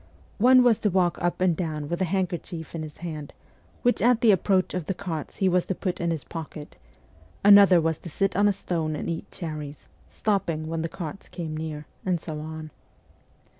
One was to walk up and down with a handkerchief in his hand, which at the approach of the carts he was to put into his pocket ; another was to sit on a stone and eat cherries, stopping when the carts came near ; and so on.